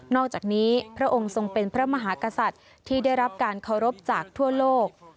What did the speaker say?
อกจากนี้พระองค์ทรงเป็นพระมหากษัตริย์ที่ได้รับการเคารพจากทั่วโลก